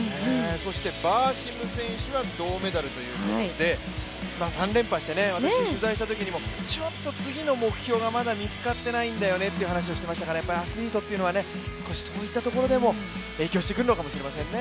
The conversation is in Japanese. バーシム選手は銅メダルということで、３連覇して、私取材したときにも、ちょっと次の目標がまだ見つかってないんだよねと話してましたのでやっぱりアスリートというのは少しそういったところでも影響してくるのかもしれませんね。